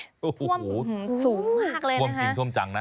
ตรวมสูงมากเลยนะคะท่วมจริงจังนะ